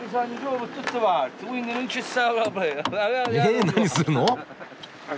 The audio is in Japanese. え何するの？